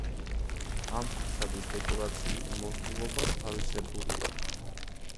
ამ ფასადის დეკორაციული მორთულობა თავისებურია.